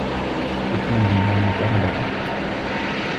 يَتيمًا ذا مَقرَبَةٍ